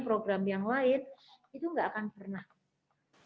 program yang lain